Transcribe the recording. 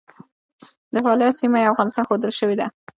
د فعالیت سیمه یې افغانستان ښودل شوې ده.